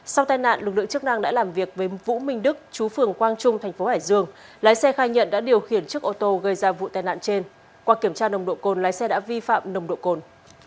sau tai nạn lực lượng chức năng đã làm việc với vũ minh đức chú phường quang trung thành phố hải dương lái xe khai nhận đã điều khiển chiếc ô tô gây ra vụ tai nạn trên qua kiểm tra nồng độ cồn lái xe đã vi phạm nồng độ cồn